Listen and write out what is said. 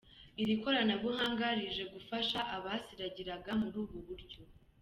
Iri koranabuhanga rije gufasha abasiragiraga muri ubu buryo.